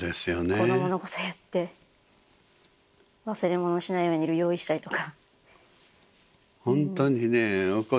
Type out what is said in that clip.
子どものことやって忘れ物しないように用意したりとか。